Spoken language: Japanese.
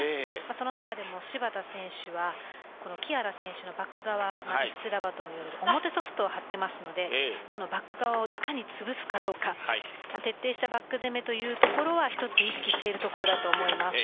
その中でも芝田選手は木原選手のバック側表ソフトを張っていますのでバック側をいかにつぶすかどうか徹底したバック攻めは一つ意識しているところだと思います。